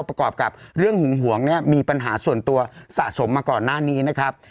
ประกอบกับเรื่องหึงหวงเนี่ยมีปัญหาส่วนตัวสะสมมาก่อนหน้านี้นะครับ